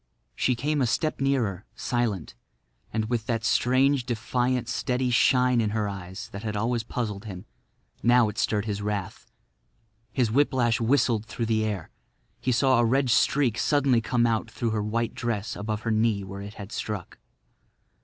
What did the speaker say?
She came a step nearer, silent, and with that strange, defiant, steady shine in her eyes that had always puzzled him. Now it stirred his wrath. His whiplash whistled through the air. He saw a red streak suddenly come out through her white dress above her knee where it had struck.